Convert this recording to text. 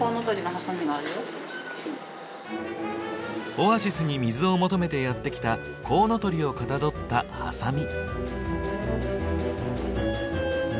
オアシスに水を求めてやって来たコウノトリをかたどったハサミ。